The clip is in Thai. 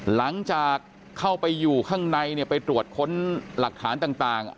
หลังจากเข้าไปอยู่ข้างในไปตรวจค้นหลักฐานต่าง